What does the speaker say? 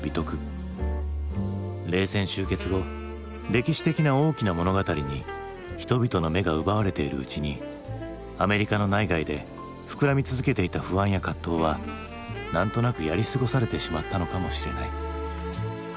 冷戦終結後歴史的な大きな物語に人々の目が奪われているうちにアメリカの内外で膨らみ続けていた不安や葛藤は何となくやり過ごされてしまったのかもしれない。